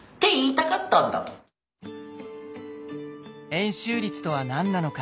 円周率とは何なのか。